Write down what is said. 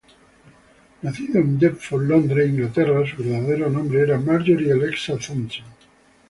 Nacida en Deptford, Londres, Inglaterra, su verdadero nombre era Marjorie Alexa Thomson.